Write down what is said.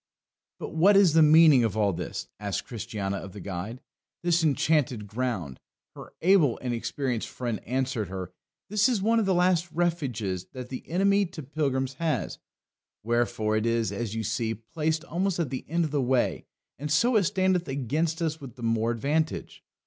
"But what is the meaning of all this?" asked Christiana of the guide. "This Enchanted Ground," her able and experienced friend answered her, "this is one of the last refuges that the enemy to pilgrims has; wherefore it is, as you see, placed almost at the end of the way, and so it standeth against us with the more advantage.